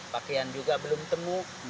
pakaian juga belum temu